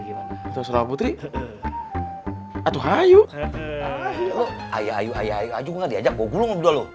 gimana asrama putri atuhayu ayu ayu ayu gua nggak diajak gua gulung lu udah lu